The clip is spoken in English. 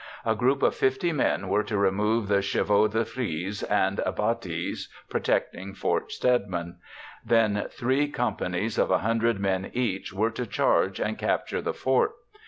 A group of 50 men were to remove the chevaux de frise and abatis protecting Fort Stedman; then three companies of 100 men each were to charge and capture the fort.